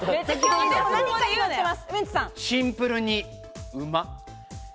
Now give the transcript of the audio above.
シンプルに馬。